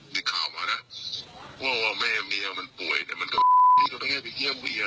มีข่าวมานะว่าแม่เมียมันป่วยแต่มันก็พี่ก็ไม่ให้ไปเยี่ยมเมีย